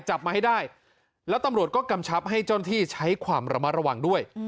จับมาให้ได้แล้วตำรวจก็กำชับให้เจ้าหน้าที่ใช้ความระมัดระวังด้วย